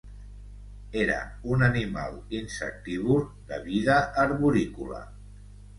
Era un animal insectívor de vida arborícola.